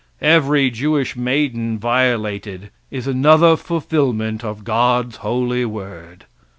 Every Jewish maiden violated is another fulfillment of God's holy word.